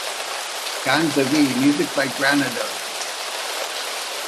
Danza V, music by Granados.